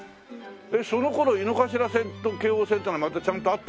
その頃井の頭線と京王線っていうのがちゃんとあった？